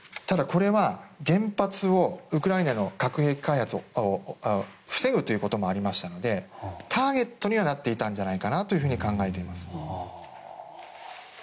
ただこれは原発をウクライナの核兵器開発を防ぐということもありましたのでターゲットにはなってたんじゃないかと考えています。